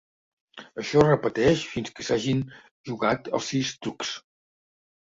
Això es repeteix fins que s'hagin jugat els sis trucs.